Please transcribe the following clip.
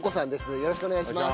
よろしくお願いします。